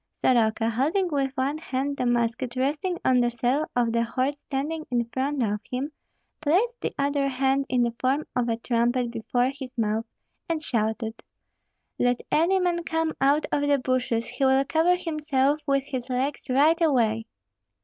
Soroka, holding with one hand the musket resting on the saddle of the horse standing in front of him, placed the other hand in the form of a trumpet before his mouth, and shouted, "Let any man come out of the bushes, he will cover himself with his legs right away."